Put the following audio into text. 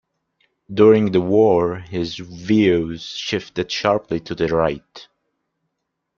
During the war, his views shifted sharply to the right.